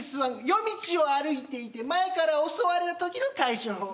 夜道を歩いていて前から襲われるときの対処法。